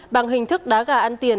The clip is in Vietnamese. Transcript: bằng hình thức đá gà ăn tiền